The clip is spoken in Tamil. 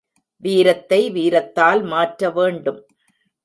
வீரத்தை வீரத்தால் மாற்ற வேண்டும்.